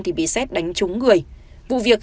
thì bị xét đánh trúng người vụ việc